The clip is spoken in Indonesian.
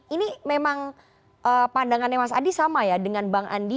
ini memang pandangannya mas adi sama ya dengan bang andi